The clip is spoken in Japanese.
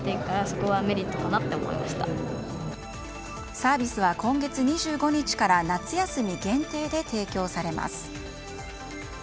サービスは今月２５日から夏休み限定で提供されます。